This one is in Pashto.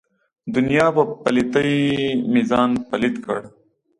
دنیا په پلیتۍ مې ځان پلیت کړ.